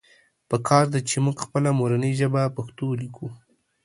پکار ده چې مونږ خپله مورنۍ ژبه پښتو وليکو